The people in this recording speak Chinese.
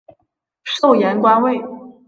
授盐官尉。